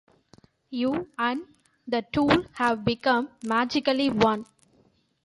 You and the tool have become magically one.